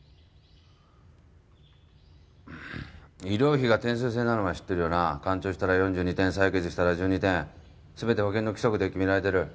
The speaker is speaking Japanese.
医療費が点数制なのは知ってるなカンチョウしたら４２点採血したら１２点すべて保険の規則で決められてる